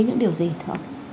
những điều gì thưa ông